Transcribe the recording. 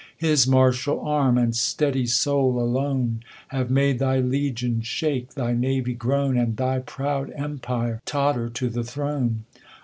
His martial ann, and steady soul alone, ^ Have made thy legions shake, thy navy groan, >. And thy proud empire totter to the throne.